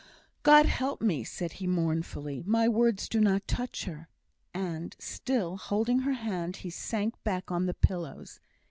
"God help me," said he, mournfully, "my words do not touch her;" and, still holding her hand, he sank back on the pillows.